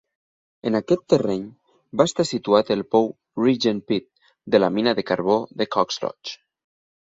En aquest terreny va estar situat el pou Regent Pit de la mina de carbó de Coxlodge.